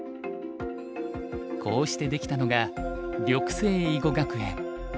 こうしてできたのが緑星囲碁学園。